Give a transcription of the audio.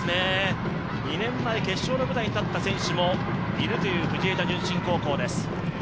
２年前決勝の舞台にたった選手もいるという藤枝順心高校です。